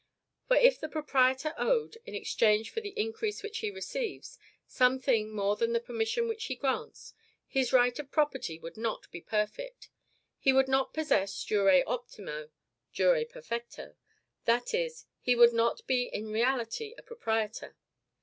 For if the proprietor owed, in exchange for the increase which he receives, some thing more than the permission which he grants, his right of property would not be perfect he would not possess jure optimo, jure perfecto; that is, he would not be in reality a proprietor.